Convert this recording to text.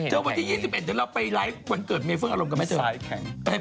ที่๒๑ก็เราไปไลฟ์วันเกิดเมย์เฟิ่งอารมณ์กับมันเจอกันมั้ยเจอ